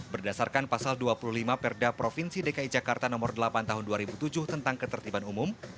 berdasarkan pasal dua puluh lima perda provinsi dki jakarta nomor delapan tahun dua ribu tujuh tentang ketertiban umum